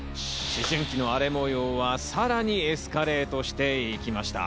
思春期の荒れ模様はさらにエスカレートしていきました。